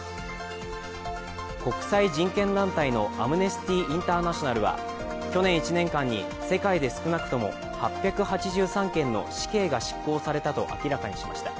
国際人権団体のアムネスティ・インターナショナルは去年１年間に世界で少なくとも８８３件の死刑が執行されたと明らかにしました。